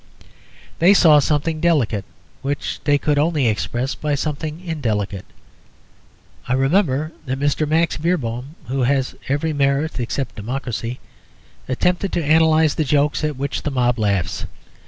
They saw something delicate which they could only express by something indelicate. I remember that Mr. Max Beerbohm (who has every merit except democracy) attempted to analyse the jokes at which the mob laughs.